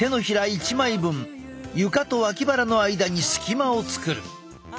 １枚分床と脇腹の間に隙間を作る。